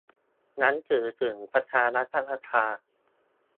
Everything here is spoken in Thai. หนังสือถึงประธานรัฐสภา